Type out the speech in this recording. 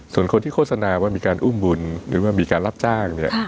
ส่วนคนที่โฆษณาว่ามีการอุ้มบุญหรือว่ามีการรับจ้างเนี่ย